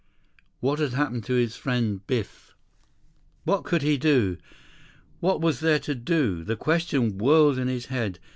What had happened to his friend Biff? What could he do? What was there to do? The questions whirled in his head.